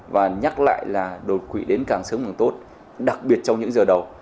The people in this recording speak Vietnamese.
và nhắc lại là đột quỷ đến càng sớm càng tốt đặc biệt trong những giờ đầu